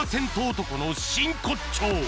男の真骨頂